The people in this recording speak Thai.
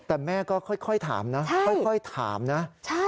แต่แม่ก็ค่อยถามนะค่อยถามนะ